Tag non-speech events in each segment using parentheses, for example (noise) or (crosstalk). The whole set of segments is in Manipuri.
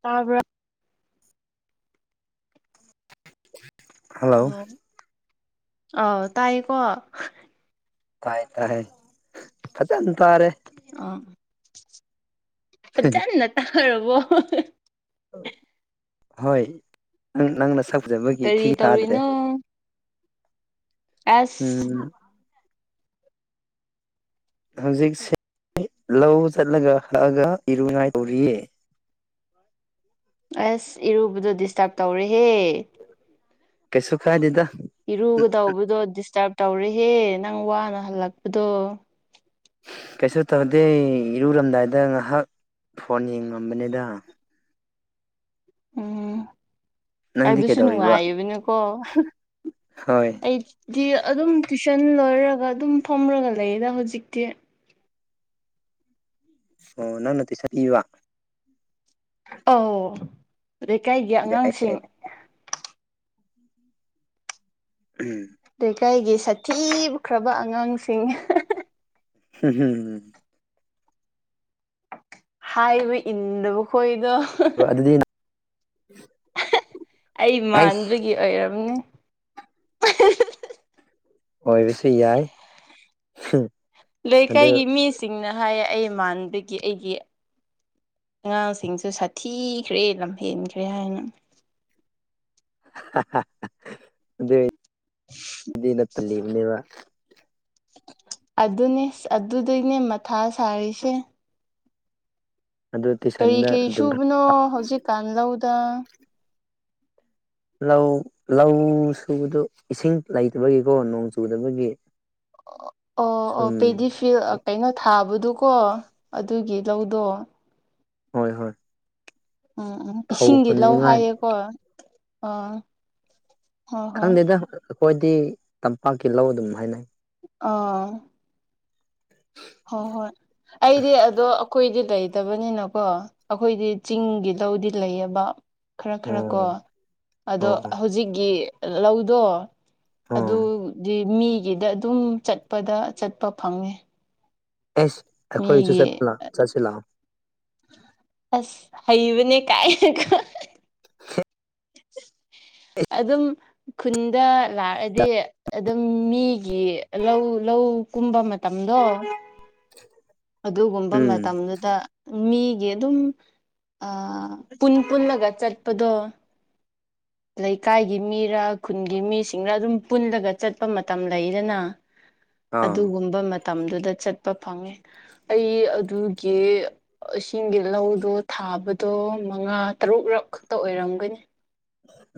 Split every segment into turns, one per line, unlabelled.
ꯇꯥꯕ꯭ꯔ
ꯍꯜꯂꯣ
ꯑꯣ ꯑꯥꯎ ꯇꯥꯏꯌꯦꯀꯣ
ꯇꯥꯏ ꯇꯥꯏ ꯐꯖꯅ ꯇꯥꯔꯦ
ꯑ ꯐꯖꯟꯅ ꯇꯥꯒ꯭ꯔꯕꯣ
ꯍꯣꯏ ꯅꯪ ꯅꯁꯛ
ꯀꯔꯤ
ꯑꯟꯏꯟꯇꯦꯜꯂꯤꯖꯦꯕꯜ
ꯑꯦꯁ
ꯍꯧꯖꯤꯛꯁꯦ ꯂꯧ ꯆꯠꯂꯒ ꯍꯛꯑꯒ ꯏꯔꯨꯉꯥꯏ ꯇꯧꯔꯤꯌꯦ
ꯑꯁ ꯏꯔꯨꯕꯗꯣ ꯗꯤꯁꯇꯔꯕ ꯇꯧꯔꯦꯍꯦ
ꯀꯩꯁꯨ ꯀꯥꯏꯗꯦꯗ
ꯏꯔꯨꯒꯗꯧꯕꯗꯣ ꯗꯤꯁꯇꯔꯕ ꯇꯧꯔꯦꯍꯦ ꯅꯪ ꯋꯥꯅ ꯍꯜꯂꯛꯄꯗꯣ
ꯀꯩꯁꯨ ꯇꯧꯗꯦ ꯏꯔꯨꯔꯝꯗꯥꯏꯗ ꯉꯥꯏꯍꯥꯛ ꯐꯣꯟ ꯌꯦꯡꯉꯝꯕꯅꯤꯗ
ꯎꯝ
ꯅꯪꯗꯤ
ꯑꯗꯨꯁꯨ
ꯀꯩꯗꯧꯔꯤꯕ
ꯅꯨꯡꯉꯥꯏꯕꯅꯤꯀꯣ
ꯍꯣꯏ
ꯑꯩ ꯗꯤ ꯑꯗꯨꯝ ꯇ꯭ꯨꯏꯁꯟ ꯂꯣꯏꯔꯒ ꯑꯗꯨꯝ ꯐꯝꯔꯒ ꯂꯩꯌꯦꯗ ꯍꯧꯖꯤꯛꯇꯤ
ꯑꯣ ꯅꯪꯅ (unintelligible)
ꯑꯥꯎ ꯂꯩꯀꯥꯏꯒꯤ
ꯌꯥꯏ
ꯑꯉꯥꯡꯁꯤꯡ
ꯌꯥꯏ ꯎꯝ
ꯂꯩꯀꯥꯏꯒꯤ ꯁꯥꯊꯤꯈ꯭ꯔꯕ ꯑꯉꯥꯡꯁꯤꯡ
ꯍꯝ ꯍꯝ
ꯍꯥꯏꯔꯤꯕ ꯏꯟꯗꯕ ꯈꯣꯏꯗꯣ
ꯑꯗꯨꯗꯤꯅ
ꯑꯩ
ꯑꯩꯁ
ꯃꯥꯟꯕꯒꯤ ꯑꯣꯏꯔꯝꯅꯦ
ꯑꯣꯏꯕꯁꯨ ꯌꯥꯏ ꯑꯗꯨ
ꯂꯩꯀꯥꯏꯒꯤ ꯃꯤꯁꯤꯡꯅ ꯍꯥꯏꯌꯦ ꯑꯩ ꯃꯥꯟꯗꯒꯤ ꯑꯩꯒꯤ ꯑꯉꯥꯡꯁꯤꯡꯁꯨ ꯁꯥꯊꯤꯈ꯭ꯔꯦ ꯂꯝꯍꯦꯟꯈ꯭ꯔꯦ ꯍꯥꯏꯅ
ꯑꯗꯨꯗ ꯅꯠꯇꯕꯅꯦꯕ
ꯑꯗꯨꯅꯦ ꯑꯗꯨꯗꯩꯅꯦ ꯃꯊꯥ ꯁꯥꯔꯤꯁꯦ
ꯑꯗꯨ
ꯀꯔꯤ
ꯇꯨꯏꯁꯟꯗ
ꯀꯔꯤ
ꯑꯗꯨꯝ ꯈꯔ
ꯁꯨꯕꯅꯣ ꯍꯧꯖꯤꯛꯀꯥꯟ ꯂꯧꯗ
ꯂꯧ ꯂꯧ ꯁꯨꯕꯗꯣ ꯏꯁꯤꯡ ꯂꯩꯇꯕꯒꯤꯀꯣ ꯅꯣꯡ ꯆꯨꯗꯕꯒꯤ
ꯑꯣ ꯑꯣ
ꯁꯨꯝ
ꯄꯦꯗꯤ ꯐꯤ ꯀꯩꯅꯣ ꯊꯥꯕꯗꯨ ꯀꯣ ꯑꯗꯨꯒꯤ ꯂꯧꯗꯣ
ꯍꯣꯏ ꯍꯣꯏ
ꯎꯝ ꯎꯝ
ꯐꯧ
ꯏꯁꯤꯡꯗꯤ ꯂꯧ
ꯍꯨꯟꯅꯤꯡꯉꯥꯏ
ꯍꯥꯏꯌꯦꯀꯣ ꯎꯝ
ꯈꯪꯗꯦꯗ ꯑꯩꯈꯣꯏꯗꯤ ꯇꯝꯄꯥꯛꯀꯤ ꯂꯧ ꯑꯗꯨꯝ ꯍꯥꯏꯅꯩ
ꯑꯥ ꯍꯣꯏ ꯍꯣꯏ ꯑꯩꯗꯤ ꯑꯗꯣ ꯑꯩꯈꯣꯏꯗꯤ ꯂꯩ ꯐꯠꯇꯕꯅꯤꯅꯀꯣ ꯑꯩꯈꯣꯏꯗꯤ ꯆꯤꯡꯒꯤ ꯂꯧꯗꯤ ꯂꯩꯌꯦꯕ ꯈꯔ ꯈꯔ ꯀꯣ
ꯑꯣ
ꯑꯗꯣ
ꯑꯣ
ꯍꯧꯖꯤꯛꯀꯤ ꯂꯧꯗꯣ
ꯑꯣ
ꯑꯗꯨꯗꯤ ꯃꯤꯒꯤꯗ ꯑꯗꯨꯝ ꯆꯠꯄꯗ ꯆꯠꯄ ꯐꯪꯉꯦ
ꯑꯦꯁ ꯑꯩꯈꯣꯏꯁꯨ
ꯃꯤꯒꯤ
ꯆꯠ ꯆꯠꯁꯤ
ꯑꯁ ꯍꯕꯅꯦ ꯀꯥꯏ ꯎ ꯑꯗꯨꯝ ꯈꯨꯟꯗ ꯂꯥꯛꯑꯗꯤ ꯑꯗꯨꯝ ꯃꯤꯒꯤ ꯂꯧ ꯂꯧ ꯑꯣ ꯀꯨꯨꯝꯕꯃꯦ ꯇꯝꯗꯑꯣ ꯑꯗꯨꯒꯨꯝꯕ
ꯎꯝ
ꯃꯇꯝꯗꯨꯗ ꯃꯤꯒꯤ ꯑꯗꯨꯝ ꯑ ꯄꯨꯟ ꯄꯨꯜꯂꯒ ꯆꯠꯄꯗꯣ ꯂꯩꯀꯥꯏꯒꯤ ꯃꯤꯔꯥ ꯈꯨꯟꯒꯤ ꯃꯤꯁꯤꯡꯔ ꯑꯗꯨꯝ ꯄꯨꯜꯂꯒ ꯆꯠꯄ ꯃꯇꯝ ꯂꯩꯗꯅ
ꯑꯥ
ꯑꯗꯨꯒꯨꯝꯕ ꯃꯇꯝꯗꯨꯗ ꯆꯠꯄ ꯐꯪꯉꯤ ꯑꯩ ꯑꯗꯨꯒꯤ ꯏꯁꯤꯡꯒꯤ ꯂꯧꯗꯣ ꯊꯥꯕꯗꯣ ꯃꯉꯥ ꯇꯔꯨꯛꯔꯛ ꯈꯛꯇ ꯑꯣꯏꯔꯝꯒꯅꯤ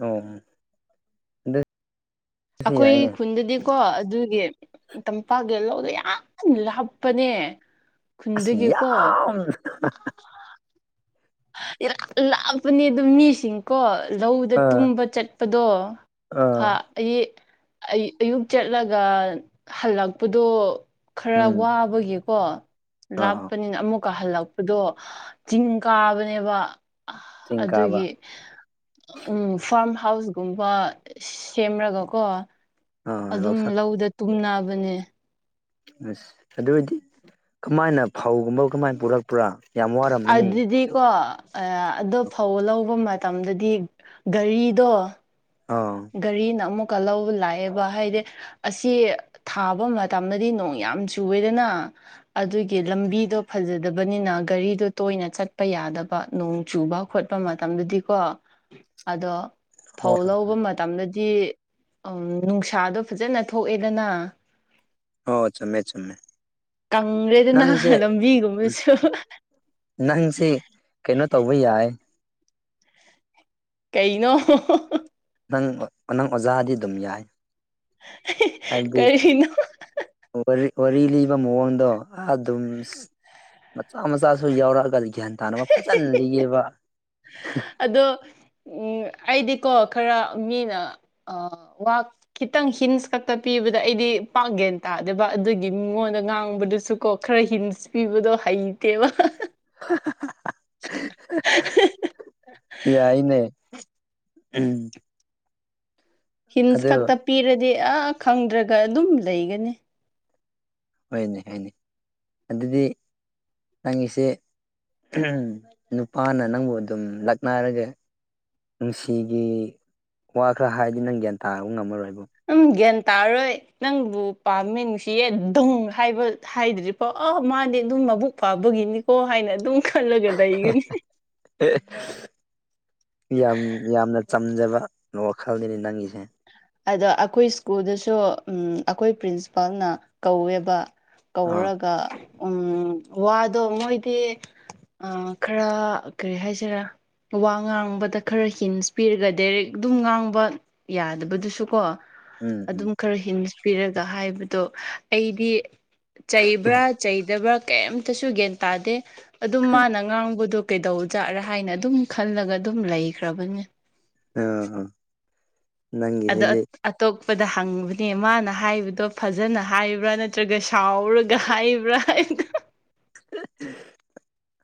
ꯑꯣꯗ
ꯑꯩꯈꯣꯏ ꯈꯨꯟꯗꯗꯤ ꯀꯣ ꯑꯗꯨꯒꯤ ꯇꯝꯄꯥꯛꯀꯤ ꯂꯧꯗ ꯌꯥꯝ ꯂꯥꯞꯄꯅꯦ
ꯑꯁ
ꯈꯨꯟꯗꯗꯒꯤꯀꯣ
ꯌꯥꯝ
ꯏꯔꯥ ꯂꯥꯞꯄꯅꯤ ꯑꯗꯨꯝ ꯃꯤꯁꯤꯡꯀꯣ ꯂꯧꯗ
ꯑꯥ
ꯇꯨꯝꯕ ꯆꯠꯄꯗꯣ
ꯑꯥ
ꯍꯥ ꯑꯩ ꯑꯩ ꯑꯌꯨꯛ ꯆꯠꯂꯒ ꯍꯜꯂꯛꯄꯗꯣ ꯈꯔ
ꯎꯝ
ꯋꯥꯕꯒꯤꯀꯣ
ꯑꯥ
ꯂꯥꯞꯄꯅꯤꯅ ꯑꯃꯨꯛꯀ ꯍꯜꯂꯛꯄꯗꯣ ꯆꯤꯡ ꯀꯥꯕꯅꯦꯕ
ꯆꯤꯡ ꯀꯥꯕ
ꯑꯗꯨꯒꯤ ꯎꯝ ꯐꯥꯔꯝ ꯍꯥꯎꯁꯒꯨꯝꯕ ꯁꯦꯝꯔꯒꯀꯣ
ꯑꯥ
ꯑꯗꯨꯝ
ꯂꯧꯁꯥꯛ
ꯂꯧꯗ ꯇꯨꯝꯕꯅꯦ
ꯑꯁ ꯑꯗꯨ ꯑꯣꯏꯗꯤ ꯀꯃꯥꯏꯅ ꯐꯧꯒꯨꯝꯕ ꯀꯃꯥꯏꯅ ꯄꯨꯔꯛꯄ꯭ꯔꯥ ꯌꯥꯝ ꯋꯥꯔꯝꯃꯅꯤ
ꯑ ꯑꯗꯣ ꯐꯧ ꯂꯧꯕ ꯃꯇꯝꯗꯗꯤ ꯒꯥꯔꯤꯗꯣ
ꯑꯥ
ꯒꯥꯔꯤꯅ ꯑꯃꯨꯛ ꯀꯜꯍꯧꯕ ꯂꯥꯛꯑꯦꯕ ꯍꯥꯏꯗꯤ ꯑꯁꯤ ꯊꯥꯕ ꯃꯇꯝꯗꯗꯤ ꯅꯣꯡ ꯌꯥꯝ ꯆꯨꯋꯦꯗꯅ ꯑꯗꯨꯒꯤ ꯂꯝꯕꯤꯗꯣ ꯐꯖꯗꯕꯅꯤꯅ ꯒꯥꯔꯤꯗꯣ ꯇꯣꯏꯅ ꯆꯠꯄ ꯌꯥꯗꯕ ꯅꯣꯡ ꯆꯨꯕ ꯈꯣꯠꯄ ꯃꯇꯝꯗꯨꯗꯤꯀꯣ ꯑꯗꯣ ꯐꯧ
ꯍꯣꯏ ꯍꯣꯏ
ꯂꯧꯕ ꯑꯗꯤ ꯎ ꯅꯨꯡꯁꯥꯗꯣ ꯐꯖꯅ ꯊꯣꯛꯑꯦꯗꯅ
ꯑꯣ ꯆꯨꯃꯦ ꯆꯨꯝꯃꯦ
ꯀꯪ꯭ꯂꯦꯗꯅ
ꯅꯪꯁꯦ
ꯂꯝꯕꯤꯒꯨꯝꯕꯁꯨ
ꯅꯪꯁꯤ ꯀꯩꯅꯣ ꯇꯧꯕ ꯌꯥꯏ
ꯀꯩꯩꯅꯣ
ꯅꯪ ꯅꯪ ꯑꯣꯖꯥꯗꯤ ꯑꯗꯨꯝ ꯌꯥꯏ ꯍꯥꯏꯕꯗꯤ
ꯀꯔꯤꯅꯣ
(unintelligible) ꯋꯥꯔꯤ ꯂꯤꯕ ꯃꯑꯣꯡꯗꯣ ꯑꯗꯨꯝ ꯃꯆꯥ ꯃꯆꯥꯁꯨ ꯌꯥꯎꯔꯛꯑꯒ ꯒ꯭ꯌꯥꯟ ꯇꯥꯅꯕ ꯐꯖꯅ ꯂꯤꯒꯦꯕ
ꯑꯗꯣ ꯎꯝ ꯑꯩꯗꯤꯀꯣ ꯈꯔ ꯃꯤꯅ ꯋꯥꯛ ꯈꯤꯇꯪ ꯍꯤꯟꯁ ꯈꯛꯇ ꯄꯤꯕꯗ ꯑꯩꯗꯤ ꯄꯥꯛꯒꯦꯅ ꯇꯥꯔꯦ ꯌꯥꯗꯕ ꯑꯗꯨꯒꯤ ꯃꯤꯉꯣꯟꯗ ꯉꯥꯡꯕꯗꯨꯁꯨ ꯀꯣ ꯈꯔ ꯍꯤꯟꯁꯄꯤꯕꯗꯣ ꯍꯩꯇꯦꯕ
ꯌꯥꯏꯅꯦ ꯎꯝ
ꯍꯤꯟꯁ
ꯑꯗꯨ
ꯈꯛꯇ ꯄꯤꯔꯗꯤ ꯑꯥ ꯈꯪꯗ꯭ꯔꯒ ꯑꯗꯨꯝ ꯂꯩꯒꯅꯤ
ꯍꯣꯏꯅꯦ ꯍꯥꯏꯣꯏꯅꯦ ꯑꯗꯨꯗꯤ ꯅꯪꯒꯤꯁꯤꯦ ꯅꯨꯄꯥꯅ ꯅꯪꯕꯨ ꯑꯗꯨꯝ ꯂꯛꯅꯔꯒ ꯅꯨꯡꯁꯤꯒꯤ ꯋꯥ ꯈꯔ ꯍꯥꯏꯔꯗꯤ ꯅꯪ ꯒ꯭ꯌꯥꯟ ꯇꯥꯕ ꯉꯝꯃꯔꯣꯏꯕ
ꯎꯝ ꯒ꯭ꯌꯥꯟ ꯇꯥꯔꯔꯣꯏ ꯅꯪꯕꯨ ꯄꯥꯝꯃꯤ ꯅꯨꯡꯁꯤꯌꯦ ꯗꯧ ꯍꯥꯏꯕ ꯍꯥꯏꯗ꯭ꯔꯤꯐꯣ ꯑ ꯃꯥꯗꯤ ꯑꯗꯨꯝ ꯃꯕꯨꯛ ꯐꯥꯕꯒꯤꯅꯤꯀꯣ ꯍꯥꯏꯅ ꯑꯗꯨꯝ ꯈꯜꯂꯒ ꯂꯩꯒꯅꯤ
ꯌꯥꯝ ꯌꯥꯝꯅ ꯆꯝꯖꯕ ꯅꯣ ꯈꯜꯗꯤꯜꯂꯤ ꯅꯪꯒꯤꯁꯦ
ꯑꯗ ꯑꯩꯈꯣꯏ ꯁ꯭ꯀꯨꯜꯗꯁꯨ ꯑꯩꯈꯣꯏ ꯄ꯭ꯔꯤꯟꯁꯤꯄꯥꯜꯅ ꯀꯧꯋꯦꯕ
ꯑꯥ
ꯀꯧꯔꯒ ꯎꯝ ꯋꯥꯗꯣ ꯃꯣꯏꯗꯤ ꯑ ꯈꯔ ꯀꯔꯤ ꯍꯥꯏꯖꯔꯥ ꯋꯥ ꯉꯥꯡꯕꯗ ꯈꯔ ꯍꯤꯟꯁ ꯄꯤꯔꯒ ꯗꯥꯏꯔꯦꯛ ꯑꯗꯨꯝ ꯉꯥꯡꯕ ꯌꯥꯗꯕꯗꯨꯁꯨ ꯁꯨꯀꯣ
ꯎꯝ ꯎꯝ
ꯑꯗꯨꯝ ꯈꯔ ꯍꯤꯟꯁꯄꯤꯔꯒ ꯍꯥꯏꯕꯗꯣ ꯑꯩꯗꯤ ꯆꯩꯕ꯭ꯔꯥ ꯆꯩꯗꯕ꯭ꯔꯥ ꯀꯩꯝꯇꯁꯨ ꯒ꯭ꯌꯥꯟ ꯇꯥꯗꯦ ꯑꯗꯨꯝ ꯃꯥꯅ ꯉꯥꯡꯕꯗꯣ ꯀꯩꯗꯧꯖꯥꯠꯔꯥ ꯍꯥꯏꯅ ꯑꯗꯨꯝ ꯈꯜꯂꯒ ꯑꯗꯨꯝ ꯂꯩꯈ꯭ꯔꯕꯅꯦ
ꯑꯥ
ꯑꯗ ꯑꯇꯣꯛ ꯄꯗ ꯍꯪꯕꯅꯦ ꯃꯥꯅ ꯍꯥꯏꯕꯗꯣ ꯐꯖꯅ ꯍꯥꯏꯕ꯭ꯔꯥ ꯅꯠꯇ꯭ꯔꯒ ꯁꯥꯎꯔꯒ ꯍꯥꯏꯕ꯭ꯔꯥ (unintelligible)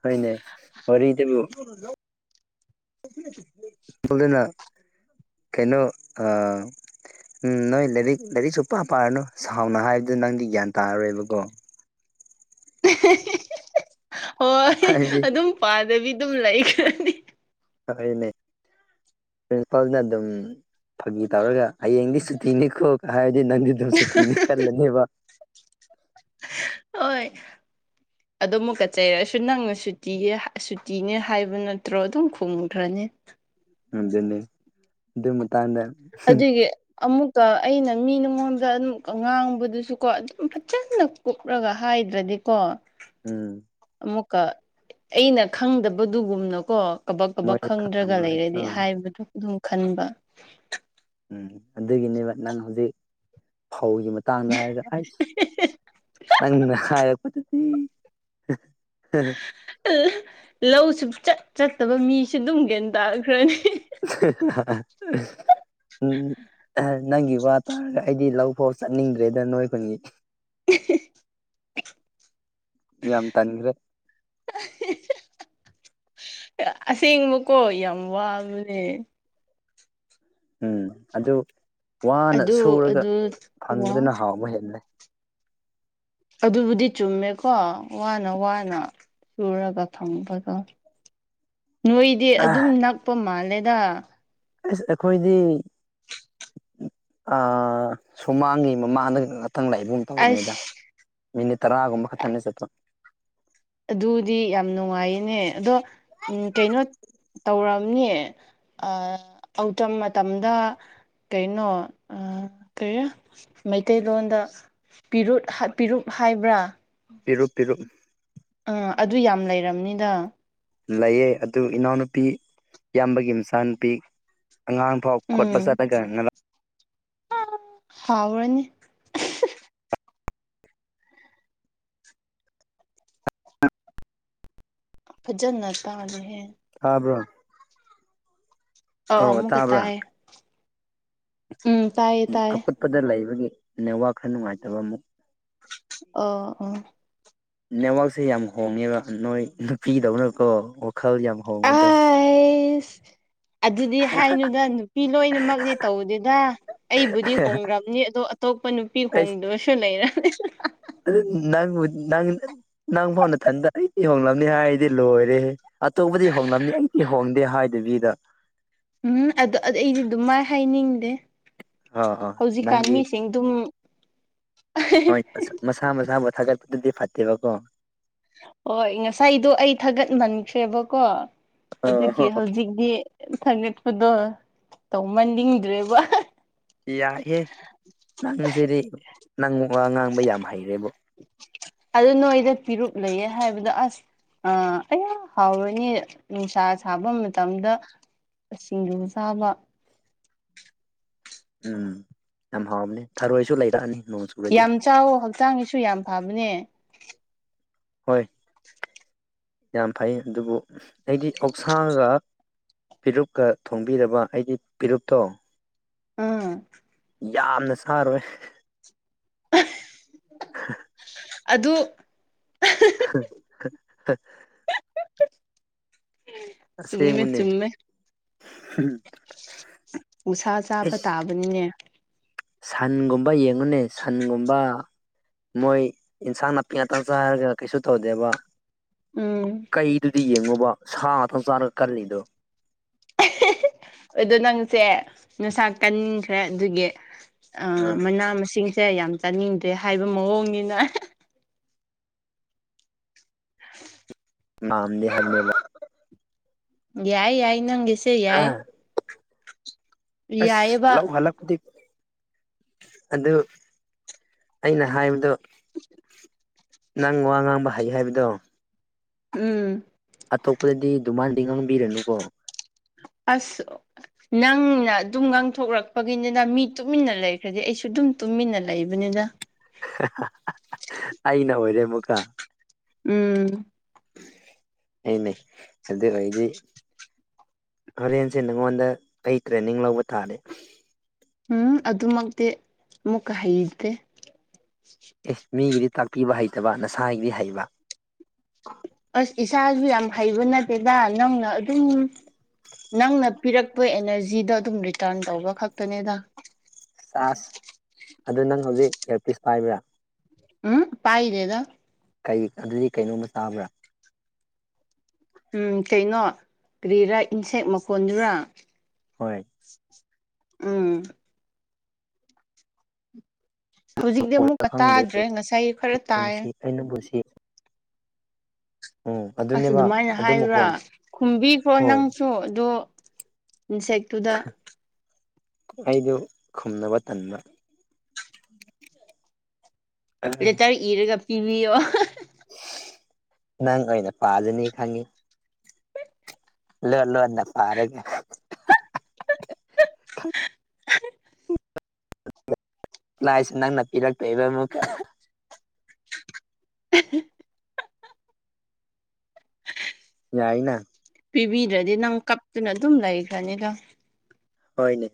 ꯍꯣꯏꯅꯦ ꯋꯥꯔꯤꯔꯤꯠꯇꯕꯨ ꯇꯂꯅ ꯀꯩꯅꯣ ꯎꯝ ꯅꯣꯏ ꯂꯥꯏꯔꯤꯛ ꯂꯥꯏꯔꯤꯛꯁꯨ ꯄꯥ ꯄꯥꯔꯅꯨ ꯁꯥꯎꯅ ꯍꯥꯏꯕꯗꯨ ꯅꯪꯗꯤ ꯒ꯭ꯌꯥꯟ ꯇꯥꯔꯔꯣꯏꯕꯀꯣ
(unintelligible) ꯍꯣꯏ
ꯍꯥꯏꯕꯗꯤ
ꯑꯗꯨꯝ ꯄꯥꯗꯕꯤ ꯑꯗꯨꯝ ꯂꯩꯈꯗꯤ
ꯍꯅꯦ (unintelligible) ꯄ꯭ꯔꯤꯟꯁꯤꯄꯥꯜꯅ ꯑꯗꯨꯝ ꯐꯥꯒꯤ ꯇꯧꯔꯒ ꯍꯌꯦꯡꯗꯤ ꯁꯨꯇꯤꯅꯤꯀꯣ ꯍꯥꯏ ꯅꯪ (unintelligible) ꯁꯨꯇꯤꯅꯤ ꯈꯜꯂꯅꯤꯕ
ꯑꯣꯏ ꯑꯗꯣ ꯑꯃꯨꯛꯀꯆ ꯆꯩꯔꯛꯁꯨ ꯅꯪꯅ ꯁꯨꯇꯤ ꯁꯨꯇꯤꯅꯦ ꯍꯥꯏꯕ ꯅꯠꯇ꯭ꯔꯣ ꯑꯗꯨꯝ ꯈꯣꯡꯈ꯭ꯔꯅꯤ ꯑꯦ (unintelligible)
ꯎꯗꯅꯤ ꯑꯗꯨ ꯃꯇꯥꯡꯗ
ꯑꯗꯨꯒꯤ ꯑꯃꯨꯛꯀ ꯑꯩꯅ ꯃꯤ ꯅꯉꯣꯟꯗ ꯑꯗꯨꯝ ꯉꯥꯡꯕꯗꯨꯁꯨꯀꯣ ꯑꯗꯨꯝ ꯐꯖꯅ ꯀꯨꯞꯂꯒ ꯍꯥꯏꯗ꯭ꯔꯗꯤꯀꯣ
ꯎꯝ
ꯑꯃꯨꯛꯀ ꯑꯩꯅ ꯈꯪꯗꯕꯗꯨꯒꯨꯝꯅꯀꯣ ꯀꯕꯛ ꯀꯕꯛ
ꯃꯣꯏꯁꯨ
ꯈꯪꯗ꯭ꯔꯒ
ꯈꯪꯉꯝꯃꯔꯣꯏ
ꯂꯩꯔꯗꯤ
ꯑꯥ
ꯍꯥꯏꯕꯗꯨ ꯑꯗꯨꯝ ꯈꯟꯕ
ꯎꯝ ꯑꯗꯨ ꯏꯅꯦꯕ ꯅꯪ ꯍꯧꯖꯤ ꯐꯧꯒꯤ ꯃꯇꯥꯡꯗ ꯍꯥꯏꯔꯒ ꯑꯩꯁ ꯅꯪꯅ ꯍꯥꯏꯔꯛꯄꯗ ꯎ
ꯂꯧ ꯁ ꯆꯠ ꯆꯠꯇꯕ ꯃꯤꯁꯨ ꯑꯗꯨꯝ ꯒꯦꯟ ꯇꯥꯈ꯭ꯔꯅꯤ
ꯎꯝ ꯅꯪꯒꯤ ꯋꯥ ꯇꯥꯔꯒ ꯑꯩꯗꯤ ꯂꯧꯐꯥꯎ ꯆꯠꯅꯤꯡꯗ꯭ꯔꯦꯗ ꯅꯣꯏ ꯈꯨꯟꯒꯤ ꯌꯥꯝ ꯇꯥꯟꯈ꯭ꯔꯦ
ꯑꯁꯦꯡꯕꯀꯣ ꯌꯥꯝ ꯋꯥꯕꯦ
ꯎꯝ ꯑꯗꯨ ꯋꯥꯅ
ꯑꯗꯨ
ꯁꯨꯔꯒ
ꯑꯗꯨ ꯋꯥ
ꯐꯪꯕꯗꯅ ꯍꯥꯎꯕ ꯍꯦꯂꯦ
ꯑꯗꯨꯕꯨꯗꯤ ꯆꯨꯝꯃꯦꯀꯣ ꯋꯥꯅ ꯋꯥꯅ ꯁꯨꯔꯒ ꯐꯪꯕꯗꯣ ꯅꯣꯏꯗꯤ ꯑꯗꯨꯝ ꯅꯛꯄ ꯃꯥꯜꯂꯦꯗ
ꯑꯁ ꯑꯩꯈꯣꯏꯗꯤ ꯑ ꯁꯨꯃꯥꯡꯒꯤ ꯃꯃꯥꯡ ꯃꯊꯪ ꯂꯥꯛꯏꯕ ꯇꯧꯕꯅꯦꯗ
ꯑꯁ
ꯃꯤꯅꯤꯠ ꯇꯔꯥꯒꯨꯝꯕ ꯈꯊꯅꯦ ꯆꯠꯄ
ꯑꯗꯨꯗꯤ ꯌꯥꯝ ꯅꯨꯡꯉꯥꯏꯌꯦꯅꯦ ꯑꯗꯣ ꯎꯝ ꯀꯩꯅꯣ ꯇꯧꯔꯝꯅꯦ ꯑꯇꯝ ꯃꯇꯝꯗ ꯀꯩꯅꯣ ꯀꯩ ꯃꯩꯇꯩꯂꯣꯟꯗ ꯄꯤꯔꯨꯨꯞ ꯍꯥꯏꯕ꯭ꯔꯥ
ꯇꯔꯨꯨꯞ ꯇꯔꯨꯨꯞ
ꯑ ꯑꯗꯨ ꯌꯥꯝ ꯂꯩꯔꯕꯅꯤꯗ
ꯂꯩꯌꯦ ꯑꯗꯨ ꯏꯅꯥꯎꯅꯨꯄꯤ ꯏꯌꯥꯝꯕꯒꯤ ꯃꯆꯥꯅꯨꯄꯤ ꯑꯉꯥꯡ ꯐꯥꯎ ꯈꯣꯠꯄ ꯆꯠꯂꯒꯅꯕ
ꯍꯥꯎꯥꯎꯅꯤ ꯐꯖꯅ ꯇꯥꯂꯦꯍꯦ
ꯍꯥꯥꯕ꯭ꯔꯣ
ꯑ ꯑꯃꯨꯀ ꯇꯥꯏ
ꯑꯀꯨꯠꯄꯗ ꯂꯩꯕꯒꯤ ꯅꯦꯋꯥ ꯈꯔ ꯅꯨꯡꯉꯥꯏꯇꯕ ꯑꯃꯨꯛ
ꯑꯣ ꯑꯣ
ꯅꯦꯠꯋꯥꯛꯛꯁꯦ ꯌꯥꯝ ꯍꯣꯡꯉꯦꯕ ꯅꯣꯏ ꯅꯨꯄꯤꯗꯧꯅꯀꯣ ꯋꯥꯈꯜ ꯌꯥꯝ ꯍꯣꯡꯕꯗꯣ
ꯑꯥꯏꯁ ꯑꯗꯨꯗꯤ ꯍꯥꯏꯅꯨꯗ ꯅꯨꯄꯤ ꯂꯣꯏꯅꯃꯛꯅꯦ ꯇꯧꯗꯦꯗ ꯑꯩꯕꯨꯗꯤ ꯍꯣꯡꯈ꯭ꯔꯕꯅꯤ ꯑꯗꯣ ꯑꯇꯣꯞꯄ ꯅꯨꯄꯤ
ꯑꯩꯁ
ꯍꯣꯡꯗ꯭ꯔꯁꯨ ꯂꯩꯔ
ꯑꯗꯨ ꯅꯪꯕꯨ ꯅꯪ ꯅꯪ ꯐꯥꯎꯅ ꯊꯟꯗ ꯑꯩꯗꯤ ꯏꯍꯣꯡꯂꯕꯅꯤ ꯍꯥꯏꯗꯤ ꯂꯣꯏꯔꯦꯦ ꯑꯇꯣꯞꯄꯗꯤ ꯍꯣꯡꯂꯝꯅꯤ ꯑꯩꯗꯤ ꯍꯣꯡꯗꯦ ꯍꯥꯏꯗꯕꯤꯗ
ꯎꯝ ꯑꯗꯨ ꯑꯩꯗꯤ ꯑꯗꯨꯝ ꯃꯥꯏ ꯍꯥꯏꯅꯤꯡꯗꯦ
ꯑ ꯑ
ꯍꯧꯖꯤꯛꯀꯥꯟ
ꯅꯪꯗꯤ
ꯃꯤꯁꯤꯡ ꯑꯗꯨꯝ
ꯍꯣꯏ ꯃꯁꯥ ꯃꯁꯥꯕꯨ ꯊꯥꯒꯠꯄꯗꯨꯗꯤ ꯐꯠꯇꯦꯕꯀꯣ
ꯍꯣꯏ ꯉꯁꯥꯏꯗꯣ ꯑꯩ ꯊꯥꯒꯠꯃꯟꯈ꯭ꯔꯦꯕꯀꯣ
ꯑ
ꯑꯗꯨꯒꯤ ꯍꯧꯖꯤꯛꯤ ꯊꯥꯒꯠꯄꯗꯣ ꯇꯧꯃꯟꯅꯤꯡꯗ꯭ꯔꯦꯕ
ꯌꯥꯍꯦ ꯅꯪꯖꯔꯤꯦ ꯅꯪ ꯉꯥꯡꯕ ꯌꯥꯝ ꯍꯩꯔꯦꯕꯣ
ꯑꯗꯨ ꯅꯣꯏꯗ ꯄꯤꯔꯨꯛ ꯂꯩꯌꯦ ꯍꯥꯏꯕꯗꯣ ꯑꯁ ꯑ ꯑꯩ ꯍꯥꯎꯔꯅꯤ ꯅꯨꯡꯁꯥ ꯁꯥꯕ ꯃꯇꯝꯗ ꯁꯤꯡꯗꯨꯕꯨ ꯆꯥꯕ
ꯎꯝ ꯌꯥꯝ ꯍꯥꯎꯕꯅꯤ ꯊꯔꯣꯏꯁꯨ ꯂꯩꯔꯛꯑꯅꯤ ꯅꯣꯡ ꯆꯨꯔꯗꯤ
ꯌꯥꯝ ꯆꯥꯎꯋ ꯍꯛꯆꯥꯡꯒꯤꯁꯨ ꯌꯥꯝ ꯐꯕꯅꯦ
ꯍꯣꯏ ꯌꯥꯝ ꯐꯩ ꯑꯗꯨꯕꯨ ꯑꯩꯗꯤ ꯑꯣꯛꯁꯥꯡꯒ ꯐꯤꯔꯨꯞꯀ ꯊꯣꯡꯕꯤꯔꯕ ꯑꯩꯗꯤ ꯐꯤꯔꯨꯞꯇꯣ
ꯎꯝ
ꯌꯥꯝꯅ ꯁꯥꯔꯣꯏ (inaudible)
ꯑ ꯑꯗꯨ
(inaudible) ꯁꯦ
ꯆꯨꯝꯃꯦ
ꯃꯅꯦ
ꯆꯨꯝꯃꯦ ꯎꯁꯥ ꯆꯥꯕ ꯇꯥꯕꯅꯤꯅꯦ
ꯁꯟꯒꯨꯝꯕ ꯌꯦꯡꯉꯨꯅꯦ ꯁꯟꯒꯨꯝꯕ ꯃꯣꯏ ꯏꯟꯁꯥꯡ ꯅꯥꯄꯤ ꯉꯥꯛꯇꯥꯡ ꯆꯥ ꯍꯥꯏꯔꯒꯅ ꯀꯩꯁꯨ ꯇꯧꯗꯦꯕ
ꯎꯝ
ꯀꯩꯗꯨꯗꯤ ꯌꯦꯡꯉꯨꯕ ꯁꯥ ꯉꯇꯪ ꯆꯥꯔꯒ ꯀꯜꯂꯤꯗꯣ
ꯑꯗꯣ ꯅꯪꯁꯦ ꯅꯁꯥ ꯀꯟꯈ꯭ꯔꯦ ꯑꯗꯨꯒꯤ ꯑ ꯃꯅꯥ ꯃꯁꯤꯡ ꯁꯦ ꯌꯥꯝ ꯆꯥꯅꯤꯡꯗ꯭ꯔꯦ ꯍꯥꯏꯕ ꯃꯑꯣꯡꯅꯤꯅ
ꯃꯝꯗꯍꯜ ꯃꯂ
ꯌꯥꯏ ꯌꯥꯏ ꯅꯪꯒꯦꯁꯦ ꯌꯥꯏ
ꯑꯁ
ꯌꯥꯏꯌꯦꯕ
ꯂꯥꯎ ꯍꯂꯛꯗꯤ ꯑꯗꯨ ꯑꯩꯅ ꯍꯥꯏꯕꯗꯣ ꯅꯪ ꯋꯥ ꯉꯥꯡꯕ ꯍꯩ ꯍꯥꯏꯕꯗꯣ
ꯎꯝ
ꯑꯇꯣꯞꯄꯗꯗꯤ ꯃꯥꯟꯗꯤ ꯉꯥꯡꯕꯤꯔꯅꯨꯀꯣ
ꯑꯁ ꯅꯪꯅ ꯑꯗꯨꯝ ꯉꯥꯡꯊꯣꯛꯂꯛꯄꯒꯤꯅꯤꯅ ꯃꯤ ꯇꯨꯃꯤꯟꯅ ꯂꯩꯈ꯭ꯔꯗꯤ ꯑꯩꯁꯨ ꯑꯗꯨꯝ ꯇꯨꯃꯤꯟꯅ ꯂꯩꯕꯅꯤꯅ
ꯑꯩꯅ ꯑꯣꯏꯔꯦ ꯃꯨꯀꯥ
ꯎꯝ
ꯑꯅꯦ ꯑꯗꯨꯗ ꯀꯩꯖ ꯍꯣꯔꯦꯟꯁꯦ ꯅꯉꯣꯟꯗ ꯀꯩ ꯇ꯭ꯔꯦꯅꯤꯡ ꯂꯧꯕ ꯇꯥꯔꯦ
ꯎꯝ ꯑꯗꯨꯃꯛꯇꯤ ꯑꯃꯨꯛꯀ ꯍꯩꯇꯦ
ꯑꯦ ꯃꯤꯒꯤꯗꯤ ꯇꯥꯛꯄꯤꯕ ꯍꯩꯇꯕ ꯅꯁꯥꯒꯤꯗꯤ ꯍꯩꯕ
ꯑꯁ ꯏꯁꯥꯁꯨ ꯌꯥꯝ ꯍꯩꯕ ꯅꯠꯇꯦꯗ ꯅꯪꯅ ꯑꯗꯨꯝ ꯅꯪꯅ ꯄꯤꯔꯛꯄ ꯑꯦꯅꯔꯖꯤꯗꯣ ꯑꯗꯨꯝ ꯔꯤꯇꯔꯟ ꯇꯧꯕ ꯈꯛꯇꯅꯦꯗ
ꯆꯥꯖ ꯑꯗꯨ ꯅꯪ ꯍꯧꯖꯤꯛ ꯏꯌꯥꯔꯄꯤꯤꯁ ꯄꯥꯏꯕ꯭ꯔꯥ
ꯎꯝ ꯄꯥꯏꯗꯦꯗ
ꯀ ꯑꯗꯨꯗꯤ ꯀꯩꯅꯣꯝꯃ ꯆꯥꯕ꯭ꯔꯥ
ꯎꯝ ꯀꯩꯅꯣ ꯀꯔꯤꯔꯥ ꯏꯟꯁꯦꯛ ꯃꯈꯣꯟꯗꯨꯔꯥ
ꯍꯣꯏ
ꯎꯝ ꯍꯧꯖꯤꯛꯇꯤ
ꯑꯣꯏꯔ
ꯑꯃꯨꯛꯀ
ꯈꯪꯗꯦ
ꯇꯥꯗ꯭ꯔꯦ ꯉꯁꯥꯏ ꯈꯔ ꯇꯥꯏ
ꯅꯨꯡꯁꯤ ꯑꯩ ꯅꯪꯕꯨ ꯅꯨꯡꯁꯤ ꯎꯝ
ꯑꯁ
ꯑꯗꯨꯅꯦꯕ
ꯑꯗꯨꯃꯥꯏꯅ
ꯑꯗꯨ
ꯍꯥꯏꯕꯨꯔꯥ
ꯃꯈꯣꯟ
ꯈꯨꯝꯕꯤꯈ꯭ꯔꯣ
ꯍꯣꯏ
ꯅꯪꯁꯨ ꯑꯗꯣ ꯏꯟꯁꯦꯛꯇꯨꯗ
ꯑꯩꯗꯨ ꯈꯨꯝꯅꯕ ꯇꯟꯕ
ꯦꯇꯥꯔ ꯏꯔꯒ ꯄꯤꯕꯤꯌꯣ
ꯅꯪ ꯑꯣꯏꯅ ꯄꯥꯖꯅꯤ ꯈꯪꯉꯤ ꯑꯜꯂꯨ ꯑꯜꯂꯣꯗ ꯐꯔꯒ ꯊꯠ ꯂꯥꯛꯁꯦ ꯅꯪꯅ ꯄꯤꯔꯛꯇꯣꯏꯕ ꯑꯃꯨꯛꯀ ꯌꯥꯏꯅ
ꯄꯤꯕꯤꯗ꯭ꯔꯗꯤ ꯅꯪ ꯀꯞꯇꯨꯅ ꯑꯗꯨꯝ ꯂꯩꯈ꯭ꯔꯅꯤꯗ
ꯍꯣꯏꯅꯦ